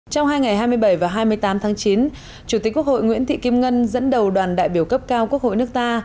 trong hai ngày hai mươi bảy và hai mươi tám tháng chín chủ tịch quốc hội nguyễn thị kim ngân dẫn đầu đoàn đại biểu cấp cao quốc hội nước ta